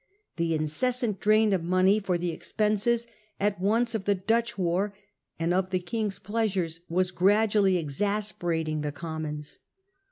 The inces sant drain of money for the expenses at once of the Dutch war and of the King's pleasures was gradually ex ile opposes asperating the Commons.